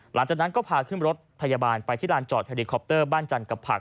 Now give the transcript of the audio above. หลังจากนั้นก็พาขึ้นรถพยาบาลไปที่ลานจอดเฮลิคอปเตอร์บ้านจันทร์กับผัก